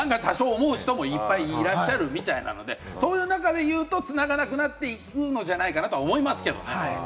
多少、思う人もいっぱいいらっしゃるみたいなので、そういう中でいうとつながなくなっていくのじゃないかなと思うんですけれども。